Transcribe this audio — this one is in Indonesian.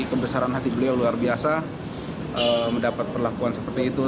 kebesaran hati beliau luar biasa mendapat perlakuan seperti itu